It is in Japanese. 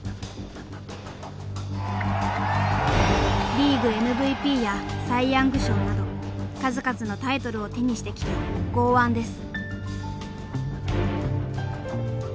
リーグＭＶＰやサイ・ヤング賞など数々のタイトルを手にしてきた豪腕です。